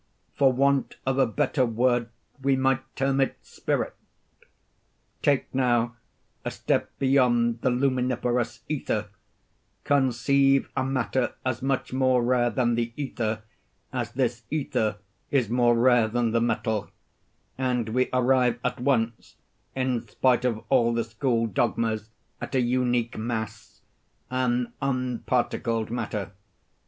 For want of a better word we might term it spirit. Take, now, a step beyond the luminiferous ether—conceive a matter as much more rare than the ether, as this ether is more rare than the metal, and we arrive at once (in spite of all the school dogmas) at a unique mass—an unparticled matter.